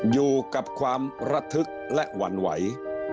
อยู่กับความระทึกและหวั่นไหว